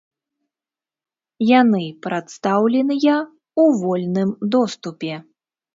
Яны прадстаўленыя ў вольным доступе.